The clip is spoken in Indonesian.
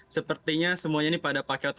sepertinya semuanya ini pada pakai otot semua